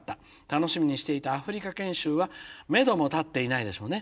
楽しみにしていたアフリカ研修はめども立っていないでしょうね。